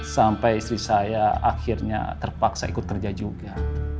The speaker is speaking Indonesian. sampai istri saya akhirnya terpaksa ikut kerja juga